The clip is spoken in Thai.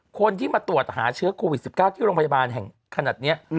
คนที่มาตรวจหาเชื้อโควิด๑๙ที่โรงพยาบาลแห่งขนาดนี้